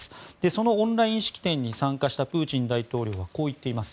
そのオンライン式典に参加したプーチン大統領はこう言っています。